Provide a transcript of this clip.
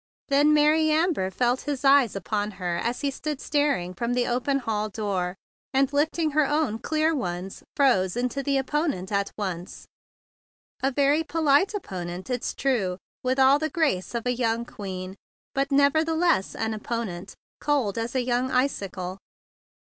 Then Mary Amber felt his eyes upon her as he stood staring from the open hall door, and, lifting her own clear ones, froze into the opponent at once. A very polite opponent, it is true, with >5 46 THE BIG BLUE SOLDIER all the grace of a young queen, but nevertheless an opponent, cold as a young icicle.